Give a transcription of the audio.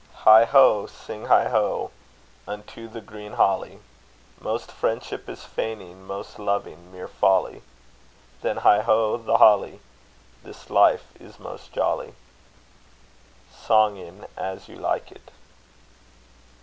Heigh ho! sing heigh ho! unto the green holly: Most friendship is feigning, most loving mere folly: Then, heigh ho! the holly! This life is most jolly. Song in As You Like It.